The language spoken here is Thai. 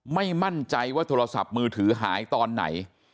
ไม่มั่นใจว่าโทรศัพท์มือถือหายตอนไหน